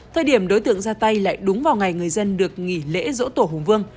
thời điểm đối tượng ra tay lại đúng vào ngày người dân được nghỉ lễ dỗ tổ hùng vương